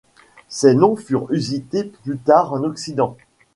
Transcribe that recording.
Ces noms furent usités plus tard en Occident.